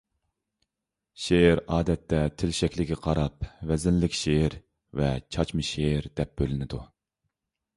شېئىر ئادەتتە تىل شەكلىگە قاراپ ۋەزىنلىك شېئىر ۋە چاچما شېئىر دەپ بۆلۈنىدۇ.